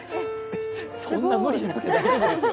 そんな無理しなくて大丈夫ですよ。